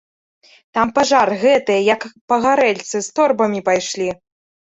Там пажар, гэтыя, як пагарэльцы, з торбамі пайшлі.